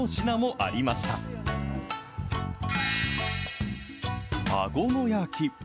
あごのやき。